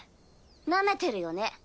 なめてるよね。